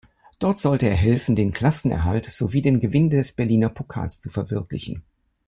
Dort sollte er helfen, den Klassenerhalt sowie den Gewinn des Berliner Pokals zu verwirklichen.